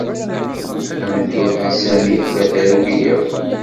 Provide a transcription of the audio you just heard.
Tameddurt n Sami tella terwi akk.